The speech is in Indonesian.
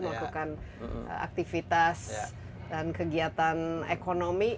dan aktivitas dan kegiatan ekonomi